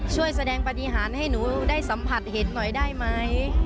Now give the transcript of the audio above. ช่วยแสดงปฏิหารให้หนูได้สัมผัสเห็นหน่อยได้ไหม